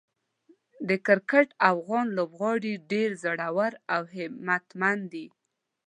د کرکټ افغان لوبغاړي ډېر زړور او همتمن دي.